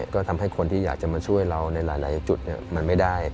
ก็ทำให้คนที่อยากจะมาช่วยเราในหลายจุดมันไม่ได้